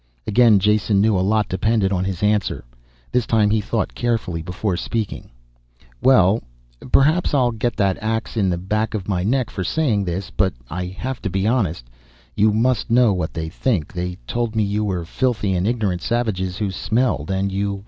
Again Jason knew a lot depended on his answer. This time he thought carefully before speaking. "Well ... perhaps I'll get that ax in the back of my neck for saying this ... but I have to be honest. You must know what they think. They told me you were filthy and ignorant savages who smelled. And you